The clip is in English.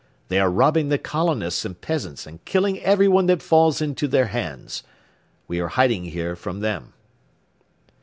They are robbing the colonists and peasants and killing everyone that falls into their hands. We are hiding here from them."